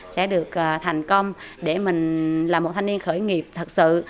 sẽ được thành công để mình là một thanh niên khởi nghiệp thật sự